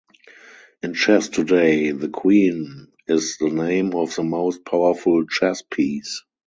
In chess today the Queen is the name of the most powerful chess piece.